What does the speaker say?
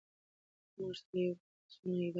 که موږ سره یو موټی سو نو هېواد کې فساد له منځه ځي.